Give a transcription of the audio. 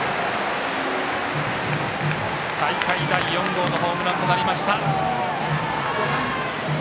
大会第４号のホームランとなりました。